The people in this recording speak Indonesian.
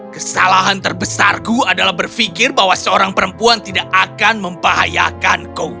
kesalahan terbesarku adalah berpikir bahwa seorang perempuan tidak akan membahayakanku